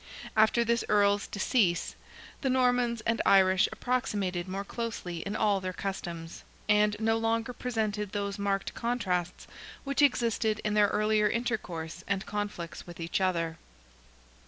After this Earl's decease, the Normans and Irish approximated more closely in all their customs, and no longer presented those marked contrasts which existed in their earlier intercourse and conflicts with each other.